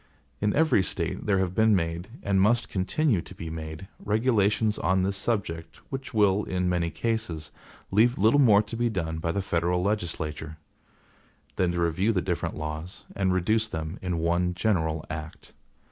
In every State there have been made, and must continue to be made, regulations on this subject which will, in many cases, leave little more to be done by the federal legislature, than to review the different laws, and reduce them in one general act.